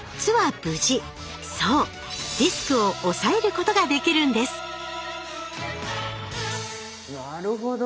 そうリスクを抑えることができるんですなるほど。